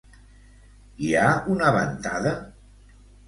Hi ha una ventada?